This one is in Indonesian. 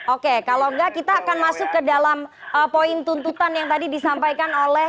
oke kalau enggak kita akan masuk ke dalam poin tuntutan yang tadi disampaikan oleh